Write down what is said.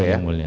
iya yang mulia